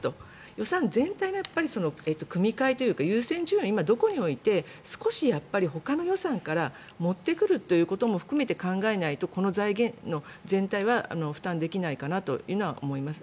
予算全体の組み替えというか優先順位を今どこに置いて少し、ほかの予算から持ってくるということも含めてこの財源の全体は負担できないかなというのは思います。